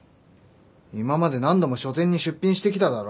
今まで何度も書展に出品してきただろ？